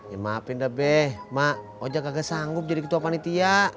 ya maafin dah be mak ojak kagak sanggup jadi ketua panitia